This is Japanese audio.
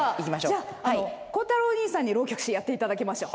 じゃあ孝太郎兄さんに浪曲師やっていただきましょう。